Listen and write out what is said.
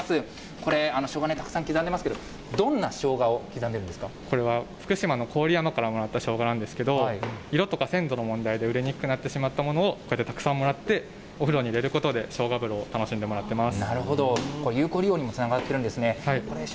これ、しょうが、たくさん刻んでますけど、どんなしょうがを刻んこれは、福島の郡山からもらった、しょうがなんですけど、色とか鮮度の問題で売れにくくなってしまったものを、ここでたくさんもらって、お風呂に入れることで、しょうが風呂を楽しんでもらってます。